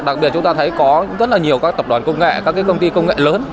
đặc biệt chúng ta thấy có rất là nhiều các tập đoàn công nghệ các công ty công nghệ lớn